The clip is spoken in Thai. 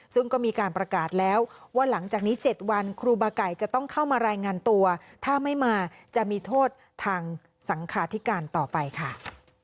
ซึ่งก็มีการประกาศแล้วว่าหลังจากนี้๗วันครูบาไก่จะต้องเข้ามารายงานตัวถ้าไม่มาจะมีโทษทางสังคาธิการต่อไปค่ะ